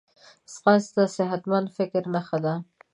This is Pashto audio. ځغاسته د صحتمند فکر نښه ده